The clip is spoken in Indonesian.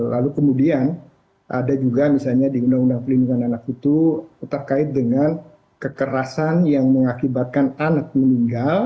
lalu kemudian ada juga misalnya di undang undang pelindungan anak itu terkait dengan kekerasan yang mengakibatkan anak meninggal